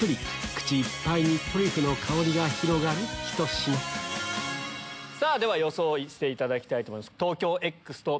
口いっぱいにトリュフの香りが広がるひと品では予想していただきたいと思います。